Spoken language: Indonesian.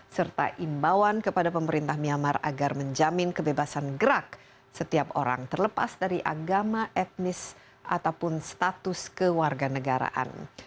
serta imbauan kepada pemerintah myanmar agar menjamin kebebasan gerak setiap orang terlepas dari agama etnis ataupun status kewarganegaraan